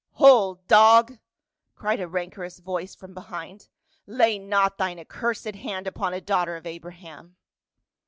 " Hold, dog !" cried a rancorous voice from behind. " Lay not thine accursed hand upon a daughter of Abraham."